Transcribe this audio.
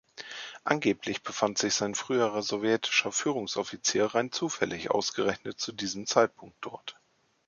Angeblich befand sich sein früherer sowjetischer Führungsoffizier rein zufällig ausgerechnet zu diesem Zeitpunkt dort.